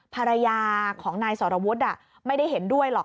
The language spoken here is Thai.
ภรรยาของนายสรวุฒิไม่ได้เห็นด้วยหรอก